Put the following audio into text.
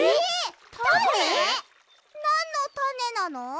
なんのたねなの？